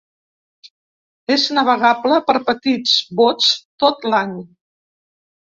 És navegable per petits bots tot l'any.